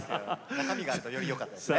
中身があるとよりよかったですね。